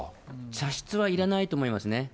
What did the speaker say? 茶室はいらないと思いますね。